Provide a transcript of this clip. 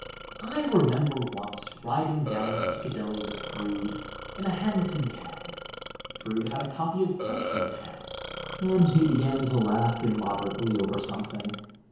I remember once riding down Piccadilly with Froude in a hansom cab. Froude had a copy of Punch in his hand, and he began to laugh immoderately over something.